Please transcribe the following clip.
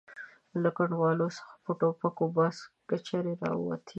له کنډوالو څو په ټوپکو بار کچرې را ووتې.